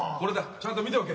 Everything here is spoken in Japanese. ちゃんと見ておけ。